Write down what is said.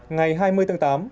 ngày hai mươi tháng tám